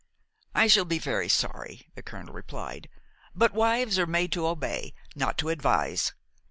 "I shall be very sorry," the colonel replied, "but wives are made to obey, not to advise.